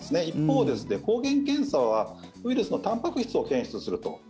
一方、抗原検査はウイルスのたんぱく質を検出すると。